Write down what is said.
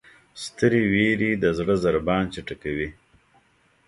سترې وېرې د زړه ضربان چټکوي.